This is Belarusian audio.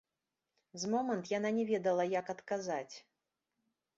З момант яна не ведала, як адказаць.